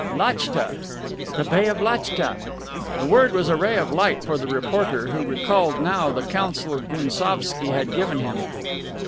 Lachtka! "The Bay of Lachtka!" The word was a ray of light for the reporter, who recalled now the counsel Gounsovski had given him.